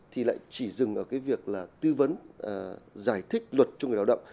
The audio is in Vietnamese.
thì lại chỉ dừng ở cái việc là tư vấn giải thích luật cho người lao động